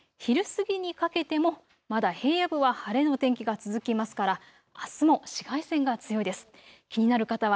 昼過ぎにかけてもまだ平野部は晴れの天気が続きますからあすも紫外線が強いです。